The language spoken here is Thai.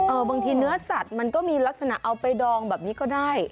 บางทีเนื้อสัตว์มันก็มีลักษณะเอาไปดองแบบนี้ก็ได้